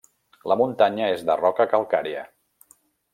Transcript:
La muntanya és de roca calcària.